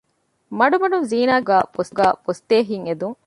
މަޑުމަޑުން ޒީނާގެ ތުންފަތުގައި ބޮސްދޭ ހިތް އެދުން